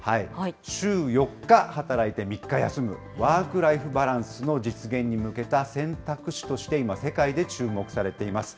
週４日働いて３日休む、ワークライフバランスの実現に向けた選択肢として今、世界で注目されています。